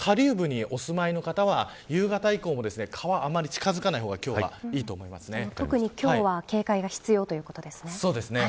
下流部にお住まいの方は夕方以降は川に近づかない方が特に今日は警戒が必要ですね。